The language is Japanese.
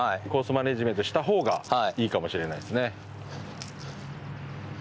マネジメントした方がいいかもしれないですね。